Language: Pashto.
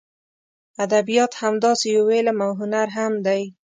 ادبیات همداسې یو علم او هنر هم دی.